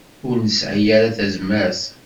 Ur nesɛi ara tazmert.